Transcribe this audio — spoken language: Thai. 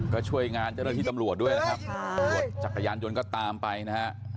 ก็ช่วยงานเจ้าหน้าที่ตำรวจด้วยนะครับตำรวจจักรยานยนต์ก็ตามไปนะฮะ